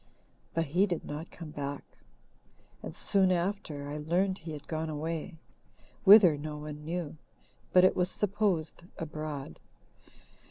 But he did not come back, and soon after I learned he had gone away whither no one knew, but it was supposed abroad.